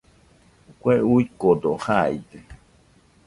Kue uikode jaide